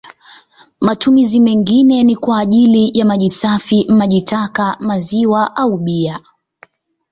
Matumizi mengine ni kwa ajili ya maji safi, maji taka, maziwa au bia.